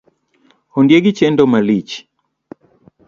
Ondiegi chendo malich